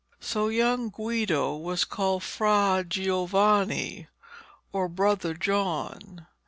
So young Guido was called Fra Giovanni, or Brother John.